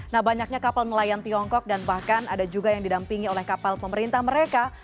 nah banyaknya kapal nelayan tiongkok dan bahkan ada juga yang didampingi oleh kapal pemerintah mereka